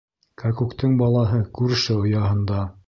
Кәкүктең балаһы күрше ояһында.